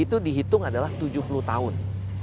itu dihitung adalah tujuh puluh tahun